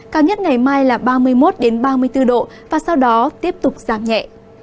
cao nhất ngày mai là ba mươi một ba mươi bốn độ và sau đó tiếp tục giảm nhẹ